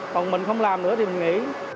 còn mình không làm nữa thì mình nghỉ